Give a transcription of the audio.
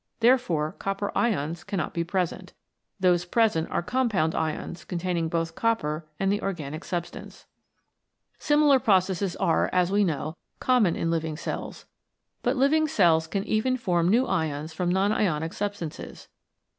Therefore copper ions cannot be present. Those present are com pound ions containing both copper and the organic substance. Similar processes are, as we know, common in living cells. But living cells can even form new ions from non ionic substances.